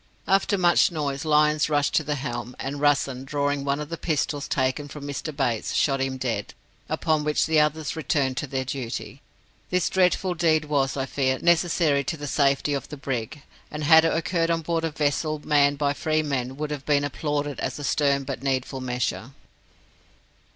After much noise, Lyons rushed to the helm, and Russen, drawing one of the pistols taken from Mr. Bates, shot him dead, upon which the others returned to their duty. This dreadful deed was, I fear, necessary to the safety of the brig; and had it occurred on board a vessel manned by free men, would have been applauded as a stern but needful measure.